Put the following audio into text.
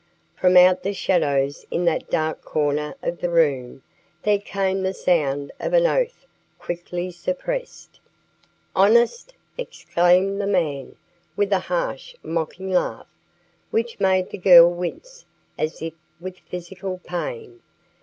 From out the shadows in that dark corner of the room there came the sound of an oath quickly suppressed. "Honest!" exclaimed the man, with a harsh, mocking laugh, which made the girl wince as if with physical pain.